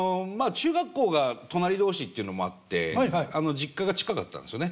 中学校が隣同士っていうのもあって実家が近かったんですよね。